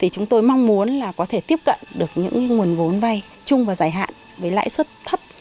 chúng tôi mong muốn có thể tiếp cận được những nguồn vốn vay chung và dài hạn với lãi suất thấp